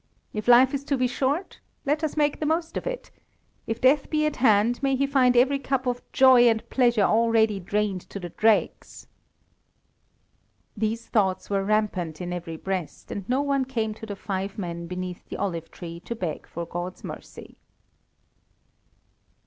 If life is to be short, let us make the most of it; if death be at hand, may he find every cup of joy and pleasure already drained to the dregs." These thoughts were rampant in every breast, and no one came to the five men beneath the olive tree to beg for God's mercy.